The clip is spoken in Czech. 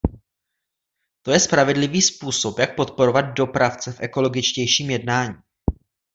To je spravedlivý způsob, jak podporovat dopravce v ekologičtějším jednání.